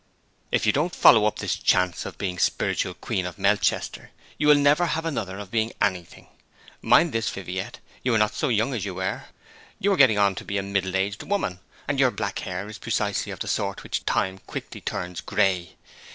'If you don't follow up this chance of being spiritual queen of Melchester, you will never have another of being anything. Mind this, Viviette: you are not so young as you were. You are getting on to be a middle aged woman, and your black hair is precisely of the sort which time quickly turns grey.